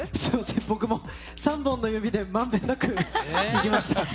僕も３本の指でまんべんなくいきました。